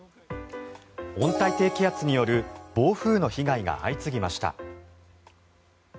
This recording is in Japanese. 温帯低気圧による暴風の被害が相次ぎました。